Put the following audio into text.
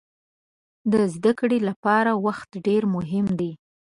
د زده کړې لپاره وخت ډېر مهم دی.